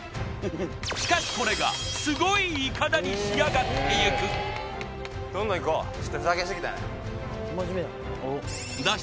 しかしこれがすごいイカダに仕上がっていく脱出